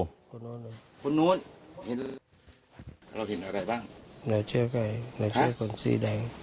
เห็นอะไรบ้างหน่อยเชื่อใครหน่อยเชื่อคนสี่แดง